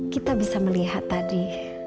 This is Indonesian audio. kita bisa melihat tadi